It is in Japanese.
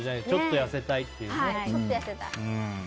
ちょっと痩せたいというね。